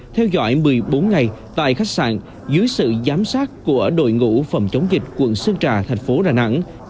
theo dõi một mươi bốn ngày tại khách sạn dưới sự giám sát của đội ngũ phòng chống dịch quận sơn trà thành phố đà nẵng